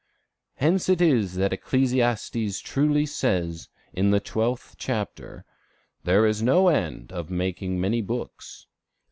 Hence it is that Ecclesiastes truly says, in the 12th chapter, 'There is no end of making many books.